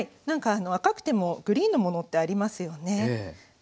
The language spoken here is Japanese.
なんか赤くてもグリーンのものってありますよね。